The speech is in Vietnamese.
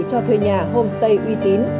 cho thuê nhà homestay uy tín